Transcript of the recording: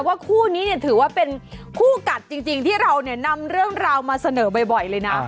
คู่นี้ถือว่าเป็นคู่กัดจริงที่เรานำเรื่องราวมาเสนอบ่อยเลยนะ